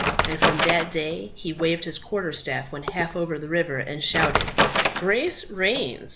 And from that day till he waved his quarterstaff when half over the river and shouted, Grace reigns!